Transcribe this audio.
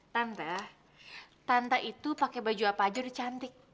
tante tante itu pakai baju apa aja udah cantik